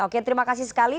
oke terima kasih sekali